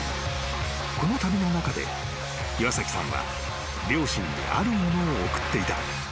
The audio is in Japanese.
［この旅の中で岩崎さんは両親にあるものを送っていた］